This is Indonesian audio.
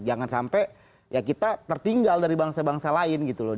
jangan sampai ya kita tertinggal dari bangsa bangsa lain gitu loh